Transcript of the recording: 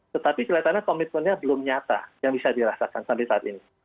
tetapi kelihatannya komitmennya belum nyata yang bisa dirasakan sampai saat ini